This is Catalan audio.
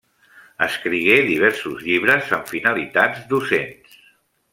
Escrigué diversos llibres amb finalitats docents.